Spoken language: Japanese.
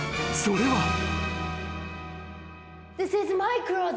それは］